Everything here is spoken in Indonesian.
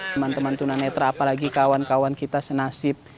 teman teman tunan netral apalagi kawan kawan kita senasib